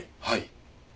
はい。